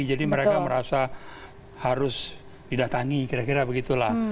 jadi mereka merasa harus didatangi kira kira begitulah